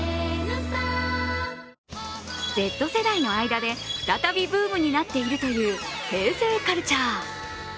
Ｚ世代の間で再びブームになっているという平成カルチャー。